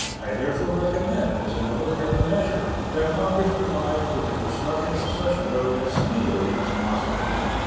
I therefore recommend, as a military measure, that Congress provide for the construction of such road as speedily as possible.